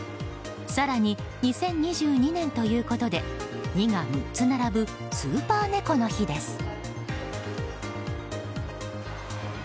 更に２０２２年ということで２が６つ並ぶスーパー猫の日です。